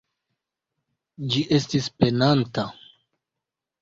Ĝi estis penanta.